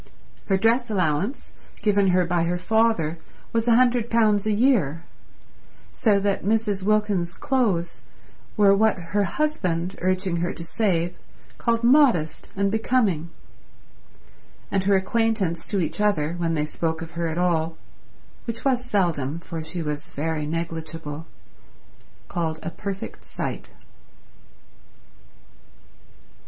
Her dress allowance, given her by her father, was £100 a year, so that Mrs. Wilkins's clothes were what her husband, urging her to save, called modest and becoming, and her acquaintance to each other, when they spoke of her at all, which was seldom for she was very negligible, called a perfect sight.